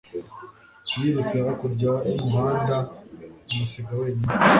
Yirutse hakurya y'umuhanda amusiga wenyine